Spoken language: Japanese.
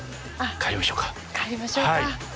帰りましょうか。